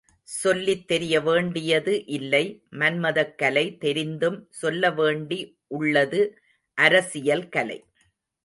சொல்லித் தெரிய வேண்டியது இல்லை மன்மதக் கலை தெரிந்தும் சொல்லவேண்டி உள்ளது அரசியல் கலை.